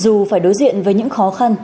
dù phải đối diện với những khó khăn